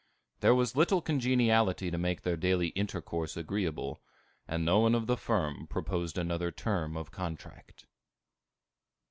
There was little congeniality to make their daily intercourse agreeable, and no one of the firm proposed another term of contract.